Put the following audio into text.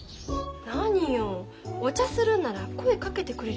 何よお茶するんなら声かけてくれればいいのに。